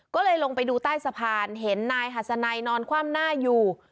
ก็เลยลงไปดูใต้สะพานเห็นนายหัสนัยนอนคว่ำหน้าอยู่